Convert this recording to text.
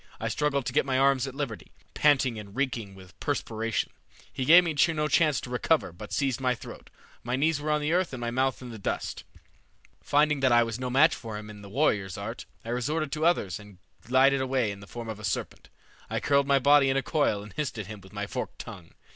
I struggled to get my arms at liberty, panting and reeking with perspiration. He gave me no chance to recover, but seized my throat. My knees were on the earth and my mouth in the dust. "Finding that I was no match for him in the warrior's art, I resorted to others and glided away in the form of a serpent. I curled my body in a coil and hissed at him with my forked tongue.